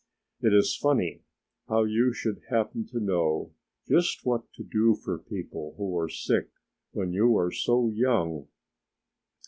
It is funny how you should happen to know just what to do for people who are sick when you are so young!"